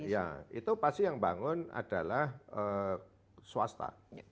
ya itu pasti yang bangun adalah swasta